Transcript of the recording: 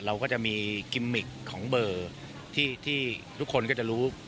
เราก็จะมีกิมมิกของเบอร์ที่ทุกคนก็จะรู้